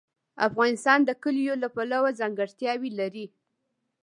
افغانستان د کلیو له پلوه ځانګړتیاوې لري.